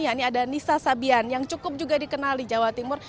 ya ini ada nisa sabian yang cukup juga dikenali jawa timur